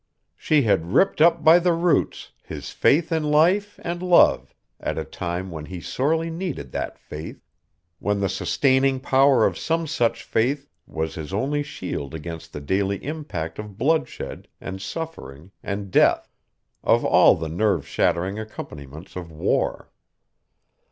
She had ripped up by the roots his faith in life and love at a time when he sorely needed that faith, when the sustaining power of some such faith was his only shield against the daily impact of bloodshed and suffering and death, of all the nerve shattering accompaniments of war.